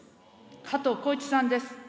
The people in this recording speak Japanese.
加藤紘一さんです。